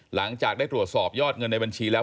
หลังจากได้ตรวจสอบยอดเงินในบัญชีแล้ว